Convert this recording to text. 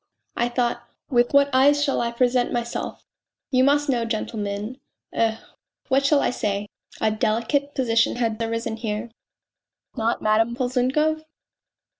I thought with what eyes shall I present myself you must know, gentlemen ... eh, what shall I say ? a delicate position had arisen here." " Not Madame Polzunkov